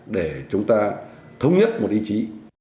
để chúng ta thống nhất một ý chí